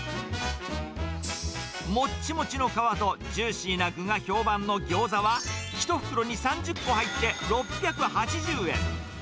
もっちもちの皮とジューシーな具が評判の餃子は１袋に３０個入って６８０円。